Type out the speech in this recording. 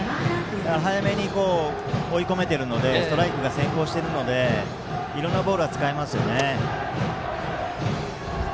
早めに追い込めているのでストライクが先行しているのでいろんなボールが使えますね。